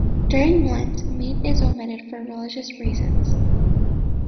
During Lent, meat is omitted for religious reasons.